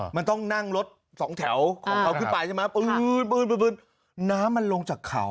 มันต้องนั่งรถ๒แถวของเขาขึ้นไปถึงวึง